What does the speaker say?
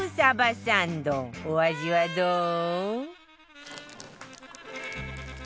お味はどう？